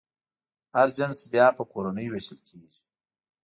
هر جنس بیا په کورنیو وېشل کېږي.